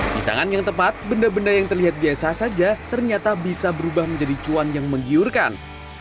di tangan yang tepat benda benda yang terlihat biasa saja ternyata bisa berubah menjadi cuan yang menggiurkan